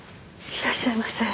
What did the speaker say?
いらっしゃいませ。